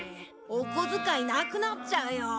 お小遣いなくなっちゃうよ。